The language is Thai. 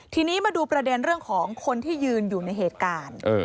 ทีนี้มาดูประเด็นเรื่องของคนที่ยืนอยู่ในเหตุการณ์